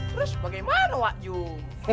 terus bagaimana wak jum